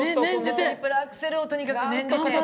トリプルアクセルをとにかく念じて。